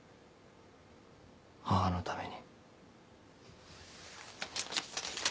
母のために。